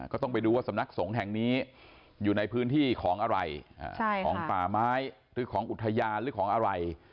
ก็ต้องไปดูว่าสำนักสงฆ์แห่งนี้อยู่ในพื้นที่ของอะไรของป่าไม้หรือของอุทยานหรือของอะไร